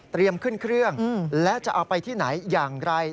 ขึ้นเครื่องและจะเอาไปที่ไหนอย่างไร